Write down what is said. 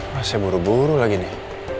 masa buru buru lagi nih